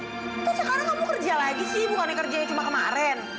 tuh sekarang kamu kerja lagi sih bukannya kerjanya cuma kemarin